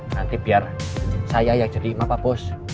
nanti biar saya yang jadi imam pak bos